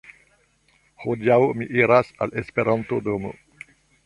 Hodiaŭ mi iras al la Esperanto-domo